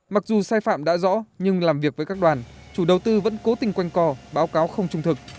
mặc dù sai phạm đã rõ nhưng làm việc với các đoàn chủ đầu tư vẫn cố tình quanh co báo cáo không trung thực